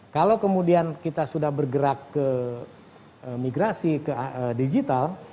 kalau kemudian kita sudah bergerak ke migrasi ke digital